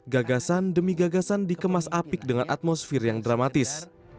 gagasan demi gagasan dikemas apik dengan atmosfer yang dramatis